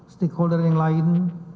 stakeholder yang lain